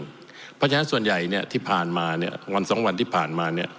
เพราะฉะนั้นส่วนใหญ่ที่ผ่านมาวันสองวันที่ผ่านมา